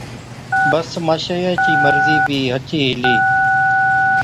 بس ماشائِي چِي مرضِي بِي هچ ئِي هِلِي۔